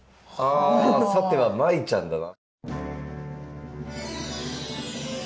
あさてはマイちゃんだな？